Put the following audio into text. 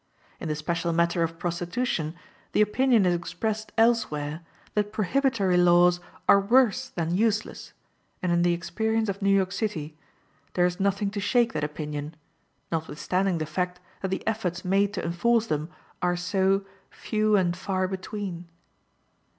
In the special matter of prostitution, the opinion is expressed elsewhere that prohibitory laws are worse than useless, and in the experience of New York City there is nothing to shake that opinion, notwithstanding the fact that the efforts made to enforce them are so "few and far between."